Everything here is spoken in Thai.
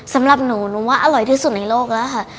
สำหรับหนูหนูว่าอร่อยที่สุดในโลกแล้วค่ะ